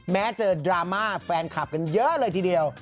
แม้เจอดราม่าแฟนคลับกันเยอะเลยทีเดียว